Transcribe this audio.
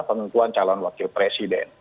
penentuan calon wakil presiden